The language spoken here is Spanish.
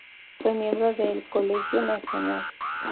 Fue miembro de El Colegio Nacional.